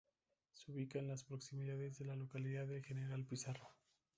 Se ubica en las proximidades de la localidad de General Pizarro.